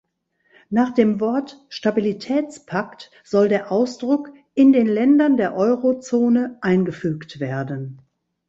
Nach dem Wort "Stabilitätspakt" soll der Ausdruck "in den Ländern der Euro-Zone" eingefügt werden.